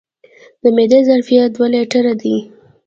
د معدې ظرفیت دوه لیټره دی.